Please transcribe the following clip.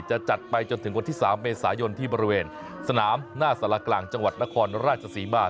จะจัดไปจนถึงวันที่๓เมษายนที่บริเวณสนามหน้าสารกลางจังหวัดนครราชศรีมา